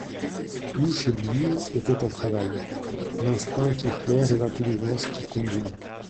Tout chez lui était en travail, l'instinct qui flaire et l'intelligence qui combine.